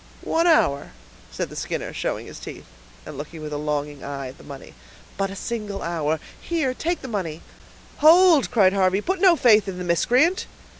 "One hour?" said the Skinner, showing his teeth, and looking with a longing eye at the money. "But a single hour; here, take the money." "Hold!" cried Harvey. "Put no faith in the miscreant."